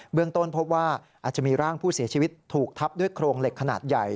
เรื่องต้นพบว่าอาจจะมีร่างผู้เสียชีวิตถูกทับด้วยโครงเหล็กขนาดใหญ่